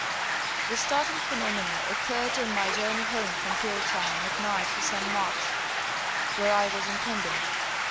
The startling phenomena oc curred on my journey home from Peel Town at night to St. Mark's (where I was Incum bent).